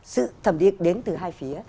sự thẩm định đến từ hai phía